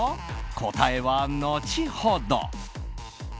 答えは後ほど。